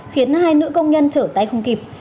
khiến hai nữ công nhân trở tay không kịp